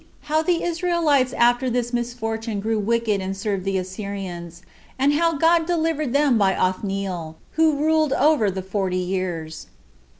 How The Israelites After This Misfortune Grew Wicked And Served The Assyrians; And How God Delivered Them By Othniel, Who Ruled Over The Forty Years.